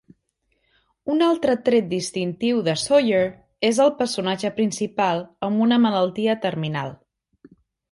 Un altre tret distintiu de Sawyer és el personatge principal amb una malaltia terminal.